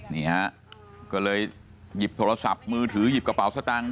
นี่ฮะก็เลยหยิบโทรศัพท์มือถือหยิบกระเป๋าสตังค์